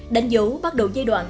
đánh dấu bắt đầu giai đoạn